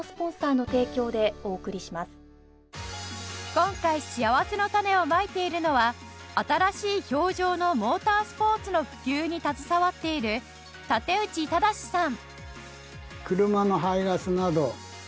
今回しあわせのたねをまいているのは新しい氷上のモータースポーツの普及に携わっている舘内端さん